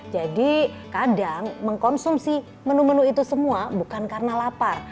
jadi kadang mengkonsumsi menu menu itu semua bukan karena lapar